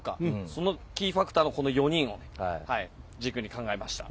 そのキーファクターがこの４人を軸に考えました。